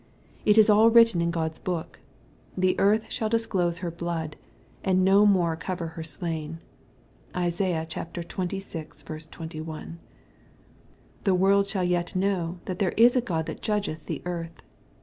It is all written in God's book. " The earth shall disclose her blood, and no more cover her slain." (Isaiah xxvi. 21.) The world shall yet know, that there is a God that judgeth the earth.